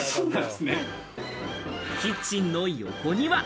キッチンの横には。